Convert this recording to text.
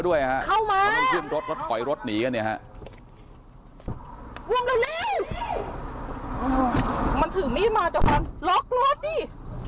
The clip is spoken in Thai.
เพชรช่วยด้วยครับพี่พอดีผมโดนรถโชว์ดี